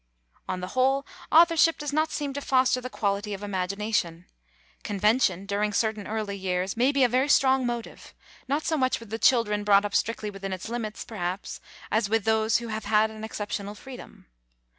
On the whole, authorship does not seem to foster the quality of imagination. Convention, during certain early years, may be a very strong motive not so much with children brought up strictly within its limits, perhaps, as with those who have had an exceptional freedom.